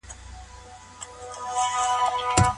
پور اخیستل باید یوازي د اړتیا پر مهال وي.